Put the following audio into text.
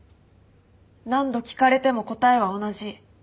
何度聞かれても答えは同じ。